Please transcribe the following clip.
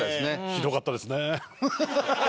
ひどかったですね。